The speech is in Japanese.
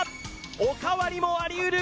おかわりもあり得る